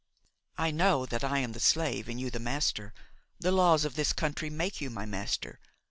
"I know that I am the slave and you the master. The laws of this country make you my master.